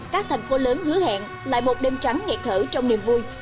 các thành phố lớn hứa hẹn lại một đêm trắng nghẹt thở trong niềm vui